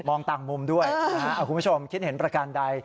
มองต่างมุมด้วยคุณผู้ชมคิดเห็นประการใด